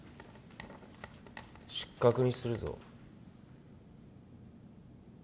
失格にするぞ。